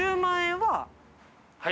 はい。